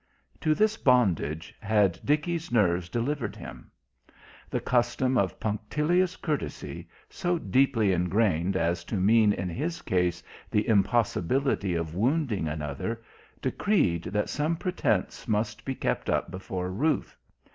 To this bondage had Dickie's nerves delivered him. The custom of punctilious courtesy, so deeply ingrained as to mean in his case the impossibility of wounding another, decreed that some pretence must be kept up before Ruth.